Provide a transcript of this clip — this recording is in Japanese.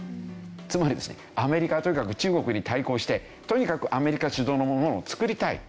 つまりですねアメリカはとにかく中国に対抗してとにかくアメリカ主導のものを作りたい。